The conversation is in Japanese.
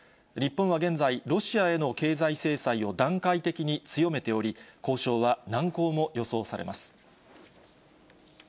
日本は現在、ロシアへの経済制裁を段階的に強めており、交渉は難航も予想されます。